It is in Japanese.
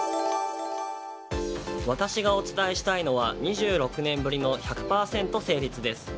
私がお伝えしたいのは２６年ぶりの１００％成立です。